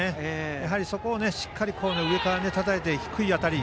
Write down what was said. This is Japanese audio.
やはり、そこをしっかり上からたたいて低い当たり。